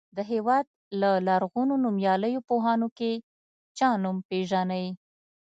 د هېواد له لرغونو نومیالیو پوهانو کې چا نوم پیژنئ.